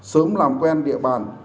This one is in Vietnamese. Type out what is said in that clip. sớm làm quen địa bàn